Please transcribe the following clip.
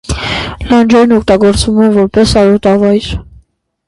Լանջերն օգտագործվում են որպես արոտավայր։